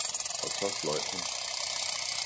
og så fløj hun.